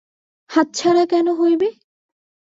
হাতছাড়া কেন হইবে।